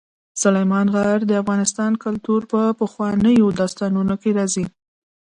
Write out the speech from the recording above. سلیمان غر د افغان کلتور په پخوانیو داستانونو کې راځي.